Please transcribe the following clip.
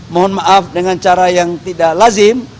mohon maaf dengan cara yang tidak lazim